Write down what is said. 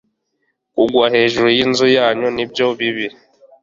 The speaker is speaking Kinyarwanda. Kugwa hejuru y'inzu yanyu ni byo bibi.